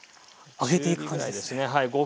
揚げていく感じですね。